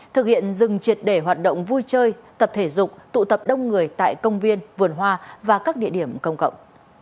thực hiện dừng triệt để hoạt động vui chơi tập thể dục tụ tập đông người tại công viên vườn hoa và các địa điểm công cộng